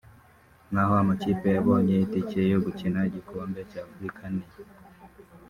naho amakipe yabonye itike yo gukina igikombe cy’Afurika ni